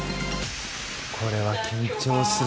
これは緊張する。